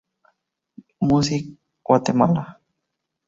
Music Guatemala.